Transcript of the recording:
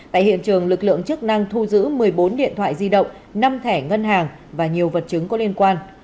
tại hiện trường lực lượng chức năng thu giữ một mươi bốn điện thoại di động năm thẻ ngân hàng và nhiều vật chứng có liên quan